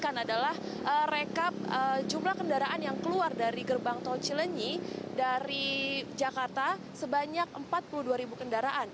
yang adalah rekap jumlah kendaraan yang keluar dari gerbang tol cilenyi dari jakarta sebanyak empat puluh dua ribu kendaraan